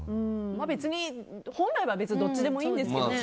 別に本来はどっちでもいいんですけどね。